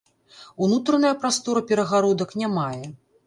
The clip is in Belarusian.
Унутраная прастора перагародак не мае.